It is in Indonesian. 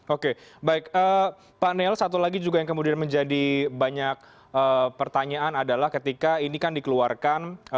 oke baik panel satu lagi juga yang kemudian menjadi banyak pertanyaan adalah ketika ini kan dikeluarkan